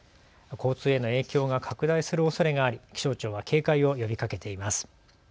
交通への影響が拡大するおそれがあり気象庁は警戒を呼びかけています。